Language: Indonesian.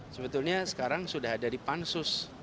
sebetulnya sekarang sudah ada di pansus